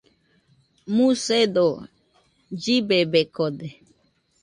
Musedo llibebekode